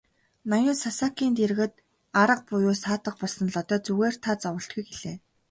Ноён Сасакийн дэргэд арга буюу саатах болсон Лодой "Зүгээр та зоволтгүй" гэлээ.